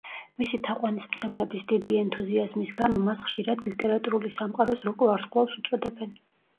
მისი თაყვანისმცემლების დიდი ენთუზიაზმის გამო მას ხშირად ლიტერატურული სამყაროს „როკ ვარსკვლავს“ უწოდებენ.